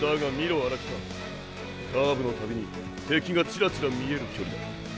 荒北カーブの度に敵がチラチラ見える距離だ。